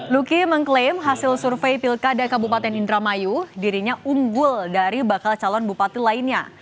luki mengklaim hasil survei pilkada kabupaten indramayu dirinya unggul dari bakal calon bupati lainnya